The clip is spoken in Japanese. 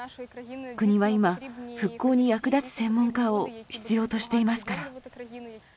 国は今、復興に役立つ専門家を必要としていますから。